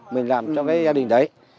mình làm cho cái gia đình đấy